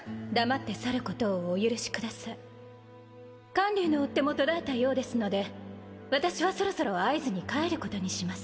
「観柳の追っ手も途絶えたようですので私はそろそろ会津に帰ることにします」